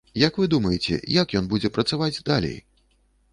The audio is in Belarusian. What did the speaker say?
Як вы думаеце, як ён будзе працаваць далей?